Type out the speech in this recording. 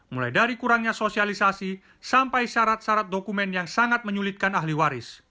mulai dari kurangnya sosialisasi sampai syarat syarat dokumen yang sangat menyulitkan ahli waris